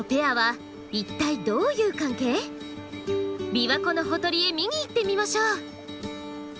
琵琶湖のほとりへ見に行ってみましょう。